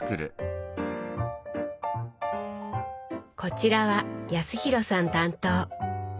こちらは康廣さん担当。